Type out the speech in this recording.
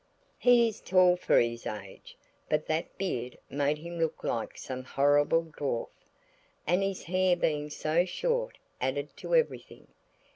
He is tall for his age, but that beard made him look like some horrible dwarf; and his hair being so short added to everything.